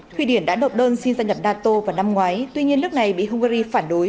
thụy điển đã nộp đơn xin gia nhập nato vào năm ngoái tuy nhiên nước này bị hungary phản đối